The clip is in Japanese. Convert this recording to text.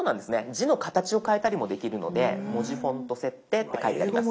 字の形を変えたりもできるので「文字フォント設定」って書いてあります。